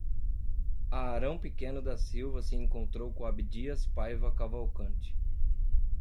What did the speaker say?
Aarão Pequeno da Silva se encontrou com Abdias Paiva Cavalcante